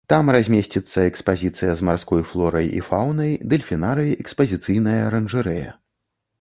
Там размясціцца экспазіцыя з марской флорай і фаунай, дэльфінарый, экспазіцыйная аранжарэя.